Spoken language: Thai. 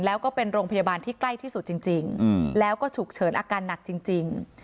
แล้วก็เป็นโรงพยาบาลที่ใกล้ที่สุดจริงแล้วก็ฉุกเฉินอาการหนักจริง